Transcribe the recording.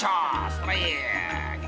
ストライク！］